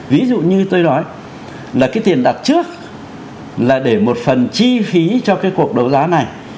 ví dụ như tôi nói là cái tiền đặt trước là để một phần chi phí cho cái cuộc đấu giá này